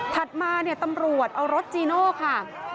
มาเนี่ยตำรวจเอารถจีโน่ค่ะ